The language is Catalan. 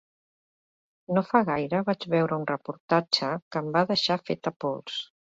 No fa gaire vaig veure un reportatge que em va deixar feta pols.